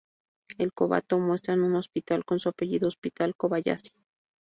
En Kobato muestran un hospital con su apellido, Hospital Kobayashi.